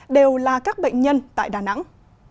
đều là các bệnh nhân tại đà nẵng